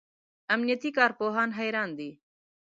امنیتي کارپوهان حیران دي.